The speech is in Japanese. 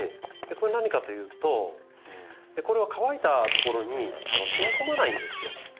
これ何かというとこれは乾いた所にしみ込まないんですよ。